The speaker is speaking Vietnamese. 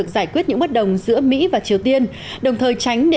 giáo hoàng francis cho rằng